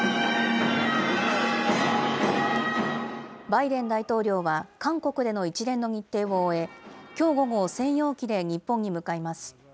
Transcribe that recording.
バイデン大統領は、韓国での一連の日程を終え、きょう午後、専用機で日本に向かいます。